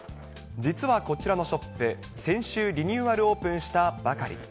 実はこちらのショップ、先週リニューアルオープンしたばかり。